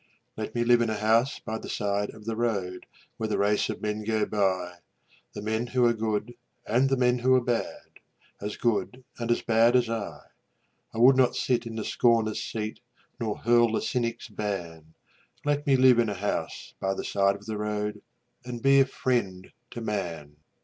Let me live in a house by the side of the road Where the race of men go by The men who are good and the men who are bad, As good and as bad as I. I would not sit in the scorner's seat Nor hurl the cynic's ban Let me live in a house by the side of the road And be a friend to man.